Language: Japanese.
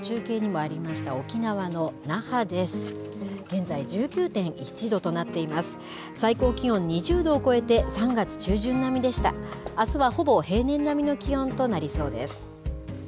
あすはほぼ平年並みの気温となりそうです。